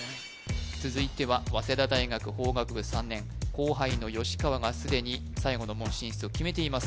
続いては早稲田大学法学部３年後輩の川がすでに最後の門進出を決めています